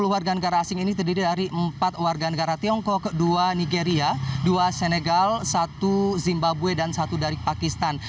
sepuluh warga negara asing ini terdiri dari empat warga negara tiongkok dua nigeria dua senegal satu zimbabwe dan satu dari pakistan